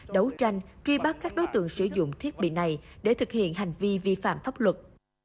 đấu tranh truy bắt các đối tượng sử dụng thiết bị này để thực hiện hành vi vi phạm pháp luật